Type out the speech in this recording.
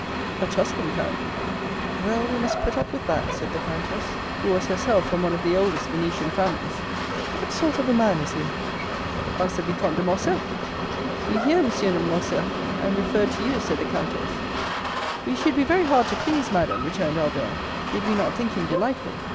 "A Tuscan count." "Well, we must put up with that," said the countess, who was herself from one of the oldest Venetian families. "What sort of a man is he?" "Ask the Vicomte de Morcerf." "You hear, M. de Morcerf, I am referred to you," said the countess. "We should be very hard to please, madam," returned Albert, "did we not think him delightful.